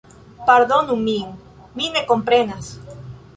Pardonu min, mi ne komprenas